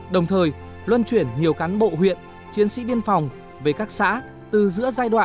đồng thời luân chuyển nhiều cán bộ huyện chiến sĩ biên phòng về các xã từ giữa giai đoạn hai nghìn một mươi năm hai nghìn hai mươi